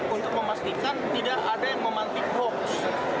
untuk memastikan tidak ada yang memantik hoax